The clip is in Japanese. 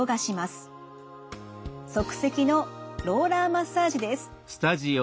即席のローラーマッサージです。